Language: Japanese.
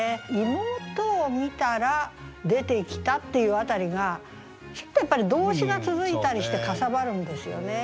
「妹を見たら出てきた」っていう辺りがちょっとやっぱり動詞が続いたりしてかさばるんですよね。